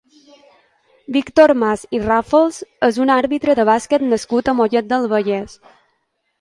Víctor Mas i Ràfols és un àrbitre de basquet nascut a Mollet del Vallès.